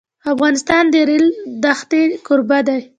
افغانستان د د ریګ دښتې کوربه دی.